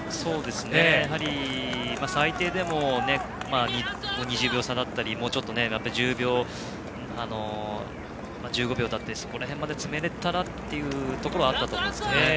やはり、最低でも２０秒差だったりもうちょっと、１５秒くらいかそこら辺まで詰められたらというのはあったと思います。